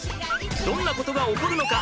どんなことが起こるのか？